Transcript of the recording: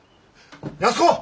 安子！